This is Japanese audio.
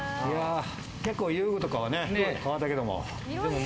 結構遊具とかは変わったけども。